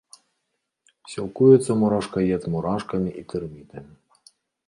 Сілкуецца мурашкаед мурашкамі і тэрмітамі.